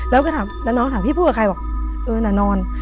แล้วก็ถามแล้วน้องถามพี่พูดกับใครบอกเออน่ะนอน